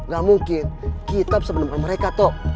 gak mungkin kita bisa menemukan mereka